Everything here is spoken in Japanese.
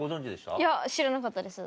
いや知らなかったです。